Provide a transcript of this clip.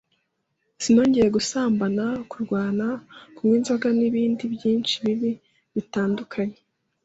sinongeye gusambana, kurwana, kunywa inzoga n’ibindi byinshi bibi bitandukanye,